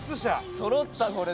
そろったこれで。